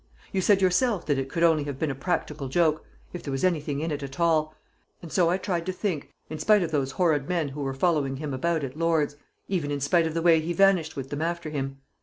You said yourself that it could only have been a practical joke, if there was anything in it at all, and so I tried to think in spite of those horrid men who were following him about at Lord's, even in spite of the way he vanished with them after him.